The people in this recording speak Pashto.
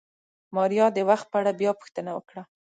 ماريا د وخت په اړه بيا پوښتنه وکړه.